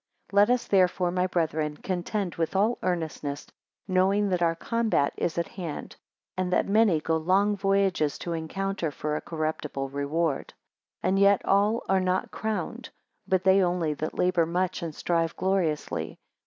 10 Let us, therefore, my brethren, contend with all earnestness, knowing that our combat is at hand; and that many go long voyages to encounter for a corruptible reward. 11 And yet all are not crowned, but they only that labour much, and strive gloriously.